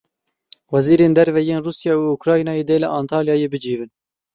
Wezîrên derve yên Rûsya û Ukraynayê dê li Antalyayê bicivin.